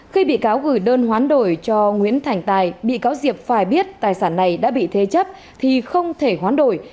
khi bị cáo gửi đơn khoán đổi cho nguyễn thành tài bị cáo diệp phải biết tài sản này đã bị thê chấp thì không thể khoán đổi